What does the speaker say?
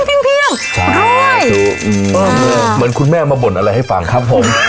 เพียงใช่เหมือนคุณแม่มาบ่นอะไรให้ฟังครับผม